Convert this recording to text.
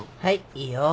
いいよ。